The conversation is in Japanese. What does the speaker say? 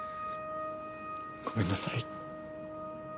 ごめんなさい。